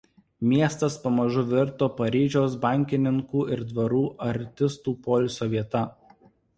Miestas pamažu virto Paryžiaus bankininkų ir dvarų artistų poilsio vieta.